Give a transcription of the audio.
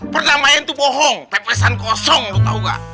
perdamaian tuh bohong pepesan kosong lu tau ga